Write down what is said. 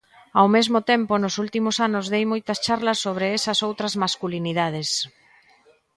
Ao mesmo tempo, nos últimos anos dei moitas charlas sobre esas outras masculinidades.